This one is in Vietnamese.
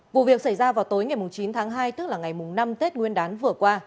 vụ việc xảy ra vào tối ngày chín tháng hai tức là ngày năm tết nguyên đán vừa qua